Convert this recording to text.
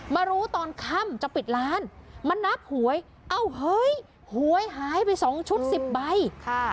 มารู้ตอนค่ำจะปิดร้านมานับหวยเอ้าเฮ้ยหวยหายไปสองชุดสิบใบค่ะ